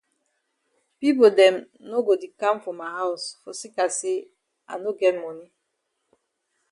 Pipo dem no go di kam for ma haus for seka say I no get moni.